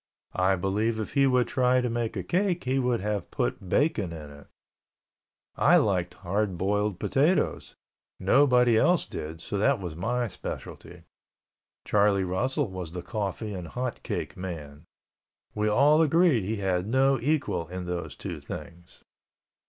I believe if he would try to make a cake he would have put bacon in it. I liked hard boiled potatoes; nobody else did, so that was my specialty. Charlie Russell was the coffee and hot cake man. We all agreed he had no equal in those two things.